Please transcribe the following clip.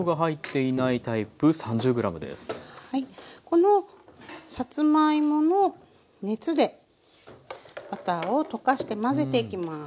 このさつまいもの熱でバターを溶かして混ぜていきます。